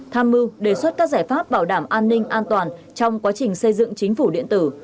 tham mưu đề xuất các giải pháp bảo đảm an ninh an toàn trong quá trình xây dựng chính phủ điện tử